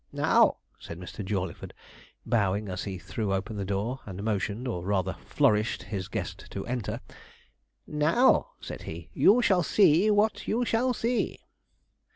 'Now,' said Mr. Jawleyford, bowing as he threw open the door, and motioned, or rather flourished, his guest to enter 'now,' said he, 'you shall see what you shall see.'